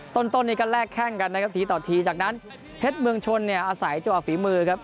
ต้นนี้ก็แลกแข้งกันนะครับทีต่อทีจากนั้นเพชรเมืองชนเนี่ยอาศัยจังหวะฝีมือครับ